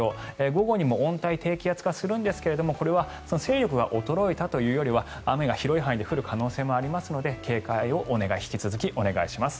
午後にも温帯低気圧化するんですがこれは勢力が衰えたというよりは雨が広い範囲で降る可能性もありますので警戒を引き続きお願いします。